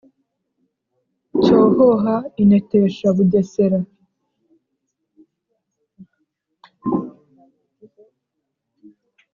cyohoha inetesha bugesera